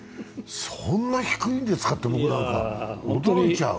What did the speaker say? そんな低いんですかって、僕なんか驚いちゃう。